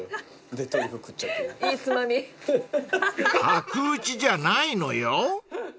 ［角打ちじゃないのよ］